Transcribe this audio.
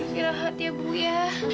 perlahan lahan ya bu ya